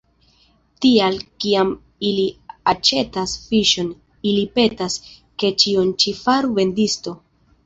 Tial, kiam ili aĉetas fiŝon, ili petas, ke ĉion ĉi faru vendisto.